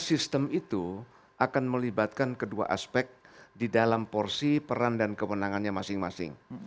sistem itu akan melibatkan kedua aspek di dalam porsi peran dan kewenangannya masing masing